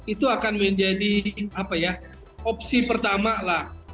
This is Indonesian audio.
itu akan menjadi opsi pertama lah